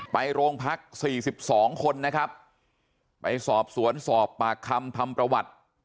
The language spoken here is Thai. ไปโรงพักษณ์๔๒คนไปสอบสวนสอบปากคำทำประวัติ